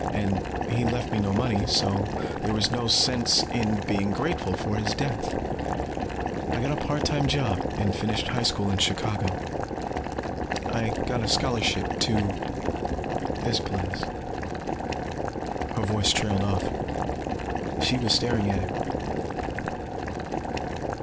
And he left me no money, so there was no sense being grateful for his death. I got a part time job and finished high school in Chicago. I got a scholarship to this place." Her voice trailed off. She was staring at him.